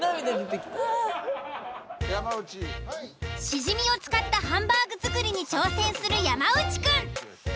シジミを使ったハンバーグ作りに挑戦する山内くん。